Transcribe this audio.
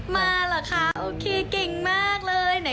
มาล่ะค่ะโอเคเก่งมากเลย